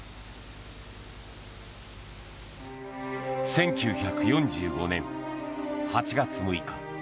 １９４５年８月６日。